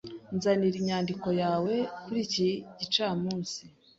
Nzanira inyandiko yawe kuri iki gicamunsi.